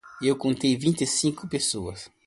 Eu contei vinte e cinco pessoas.